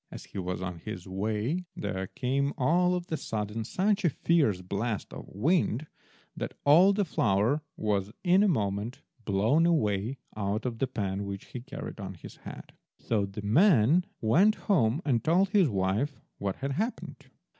As he was on his way there came all of a sudden such a fierce blast of wind that all the flour was, in a moment, blown away out of the pan which he carried on his head. So the man went home and told his wife what had happened.